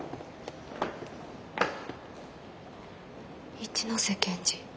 一ノ瀬検事。